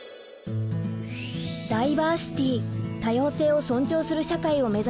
ダイバーシティ多様性を尊重する社会をめざす